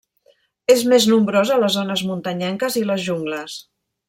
És més nombrós a les zones muntanyenques i les jungles.